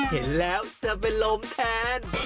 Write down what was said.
เห็นแล้วจะเป็นลมแทน